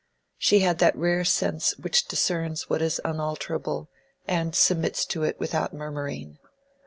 She had that rare sense which discerns what is unalterable, and submits to it without murmuring.